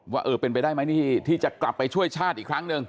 ว่าเออเป็นไปได้ไหมนี่ที่จะกลับไปช่วยชาติอีกครั้งหนึ่ง